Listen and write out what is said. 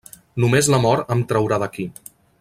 Només la mort em traurà d'aquí.